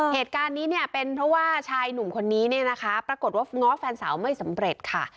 เหตุการณ์นี้เนี่ยเป็นเพราะว่าชายหนุ่มคนนี้เนี่ยนะคะปรากฏว่าง้อแฟนสาวไม่สำเร็จค่ะ